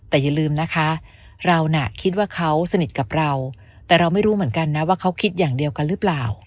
แต่อย่าลืมนะคะเราน่ะคิดว่าเขาสนิทกับเราแต่เราไม่รู้เหมือนกันนะว่าเขาคิดอย่างเดียวกันหรือเปล่า